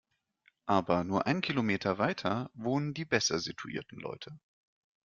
Aber nur einen Kilometer weiter wohnen die besser situierten Leute.